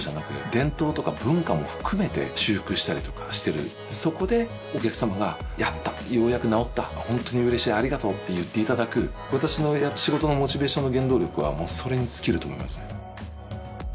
伝統とか文化も含めて修復したりとかしてるそこでお客様がやったようやく直ったホントに嬉しいありがとうって言っていただく私の仕事のモチベーションの原動力はもうそれに尽きると思いますね